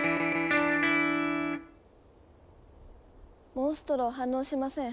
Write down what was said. モンストロ反応しません。